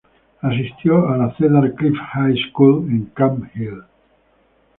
Asistió a la Cedar Cliff High School en Camp Hill.